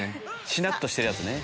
しなっとしてるやつね。